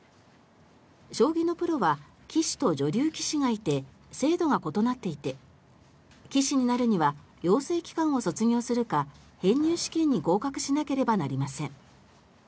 将棋のプロは棋士と女流棋士がいて制度が異なっていて棋士になるには養成機関を卒業するか編入試験に合格しなければなりません。